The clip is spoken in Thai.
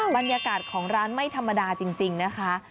บรรยากาศของร้านไม่ธรรมดาจริงนะคะ